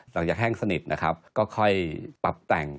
หลังจากแห้งสนิทนะครับก็ค่อยปั๊บแต่ง